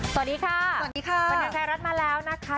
สวัสดีค่ะสวัสดีค่ะบรรเทิงไทยรัฐมาแล้วนะคะ